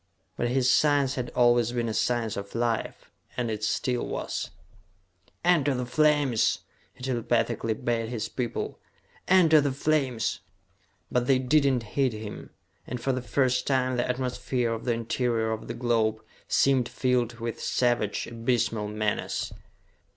But his science had always been a science of Life, and it still was. "Enter the flames!" he telepathically bade his people. "Enter the flames!" But they did not heed him, and for the first time the atmosphere of the interior of the globe seemed filled with savage, abysmal menace!